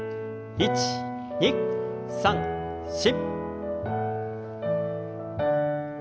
１２３４。